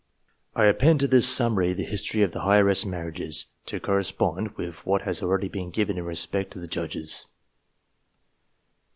I append to this summary the history of the heiress marriages, to correspond with what has already been given in respect to the Judges.